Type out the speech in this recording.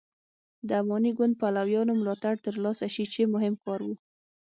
د اماني ګوند پلویانو ملاتړ تر لاسه شي چې مهم کار و.